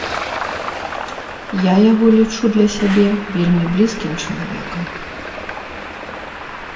Я яго лічу для сябе вельмі блізкім чалавекам.